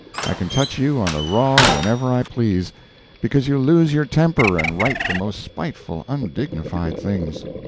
I can touch you on the raw whenever I please, make you lose your temper and write the most spiteful, undignified things.